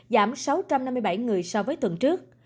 giảm sáu trăm năm mươi bảy người so với tuần trước